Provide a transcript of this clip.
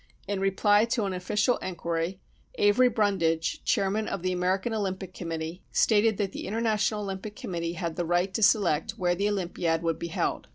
In reply to an official en quiry, Avery Brundage, chairman of the American Olym pic committee, stated that the International Olympic Committee had the right to select where the Olympiad would be held.